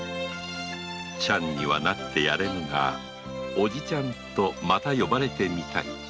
「ちゃん」にはなってやれぬがおじちゃんとまた呼ばれてみたい